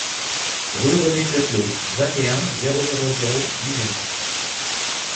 Rue René Fleutelot, vingt et un, zéro zéro zéro Dijon